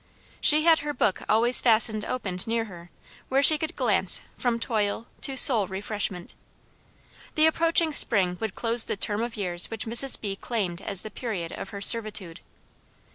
She had her book always fastened open near her, where she could glance from toil to soul refreshment. The approaching spring would close the term of years which Mrs. B. claimed as the period of her servitude.